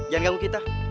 jangan ganggu kita